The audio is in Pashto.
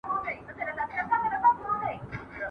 په دې خلکو کي پخوا وه اوس هم سته